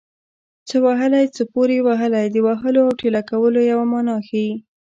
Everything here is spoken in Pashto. څه وهلی څه پورې وهلی د وهلو او ټېله کولو یوه مانا ښيي